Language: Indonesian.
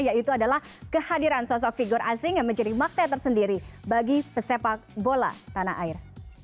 yaitu adalah kehadiran sosok figur asing yang menjadi makna tersendiri bagi pesepak bola tanah air